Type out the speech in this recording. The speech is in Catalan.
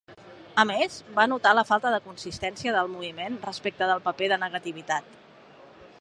A més, va notar la falta de consistència del moviment respecte del paper de negativitat.